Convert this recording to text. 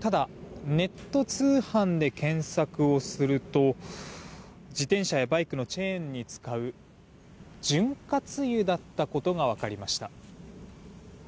ただ、ネット通販で検索をすると自転車やバイクのチェーンに使う潤滑油だったことが分かりました。